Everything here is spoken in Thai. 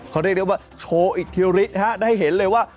เขาเรียกได้ว่าโชว์อิทธิฤทธิได้เห็นเลยว่า